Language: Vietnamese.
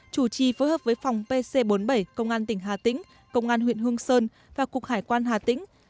chủ trì phối hợp với phòng pc bốn mươi bảy công an tỉnh hà tĩnh công an huyện hương sơn và cục hải quan hà tĩnh